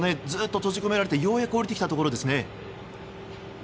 ずっと閉じ込められてようやく降りてきたところですね。